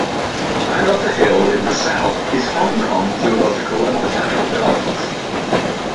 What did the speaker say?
Higher up the hill in the south is Hong Kong Zoological and Botanical Gardens.